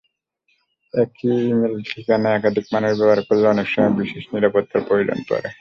একই ই-মেইল ঠিকানা একাধিক মানুষ ব্যবহার করলে অনেক সময় বিশেষ নিরাপত্তার প্রয়োজন পড়ে।